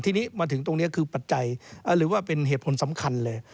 ทีนี้มาถึงตรงนี้คือปัจจัยหรือว่าเป็นเหตุผลสำคัญเลย